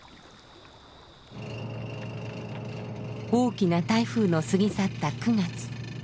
大きな台風の過ぎ去った９月。